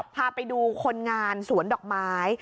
พาไปดูคนงานสวนดอกไม้